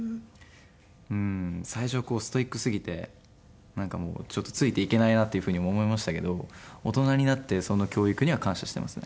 うん最初はストイックすぎてなんかもうついていけないなっていう風にも思いましたけど大人になってその教育には感謝してますね。